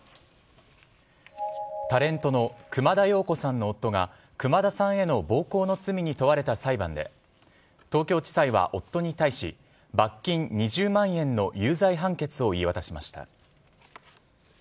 タレントの熊田曜子さんの夫が熊田さんへの暴行の罪に問われた裁判で東京地裁は夫に対し罰金２０万円の有罪判決を言い渡しました。